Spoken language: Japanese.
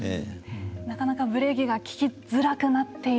なかなかブレーキがききづらくなっている。